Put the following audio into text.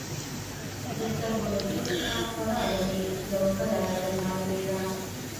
د سترګو له دید څخه خورا لرې، یوه بله لړۍ معلومېده.